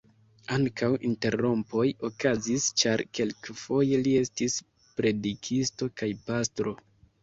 Ankaŭ interrompoj okazis, ĉar kelkfoje li estis predikisto kaj pastro.